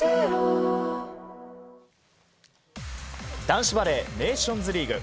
男子バレーネーションズリーグ。